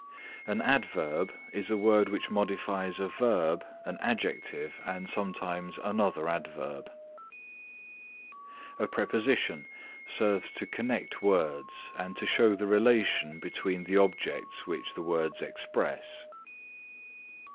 An adverb is a word which modifies a verb, an adjective and sometimes another adverb. A preposition serves to connect words and to show the relation between the objects which the words express.